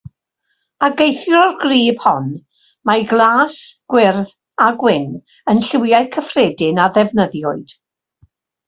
Ac eithrio'r grib hon, mae glas, gwyrdd a gwyn yn lliwiau cyffredin a ddefnyddiwyd.